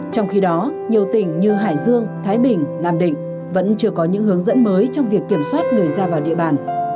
trong khi đó nhiều tỉnh như hải dương thái bình nam định vẫn chưa có những hướng dẫn mới trong việc kiểm soát người ra vào địa bàn